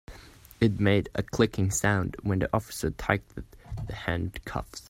It made a clicking sound when the officer tightened the handcuffs.